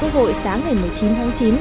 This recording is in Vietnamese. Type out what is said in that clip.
hội sáng ngày một mươi chín tháng chín